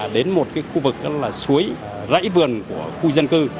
đến một khu vực đó là suối rãi vườn của khu dân cư